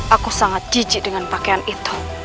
aku sangat jijik dengan pakaian itu